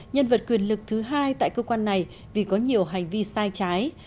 nhân vật quyền lực thứ hai tại cơ quan này vì có nhiều hành vi sai trái